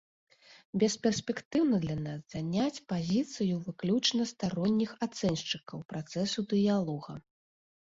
Бесперспектыўна для нас заняць пазіцыю выключна старонніх ацэншчыкаў працэсу дыялога.